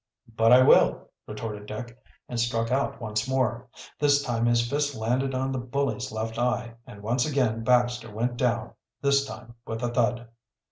"But I will," retorted Dick, and struck out once more. This time his fist landed on the bully's left eye, and once again Baxter went down, this time with a thud.